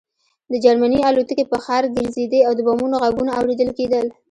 د جرمني الوتکې په ښار ګرځېدې او د بمونو غږونه اورېدل کېدل